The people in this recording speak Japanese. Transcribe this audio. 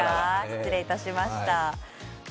失礼いたしました。